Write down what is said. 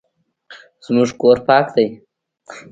زموږ کور پاک دی